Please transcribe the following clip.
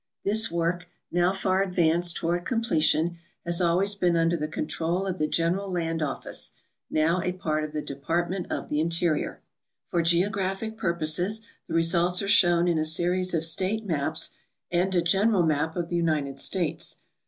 This work, now far advanced toward completion, has always been under the contrpl of the General Land Office, now a part of the Department of the Interior. For geographic purposes the results are shown in a series of state maps and a general map of the United States.